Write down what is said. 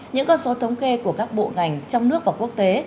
những con số thống kê của các bộ ngành trong nước và quốc tế